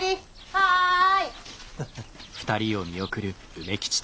はい！